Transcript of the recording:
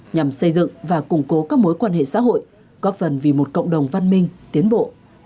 nhằm xây dựng và củng cố các mối quan hệ xã hội góp phần vì một cộng đồng văn minh tiến bộ